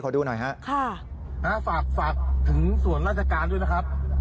ดูหน่อยฮะค่ะนะฮะฝากถึงส่วนราชการด้วยนะครับ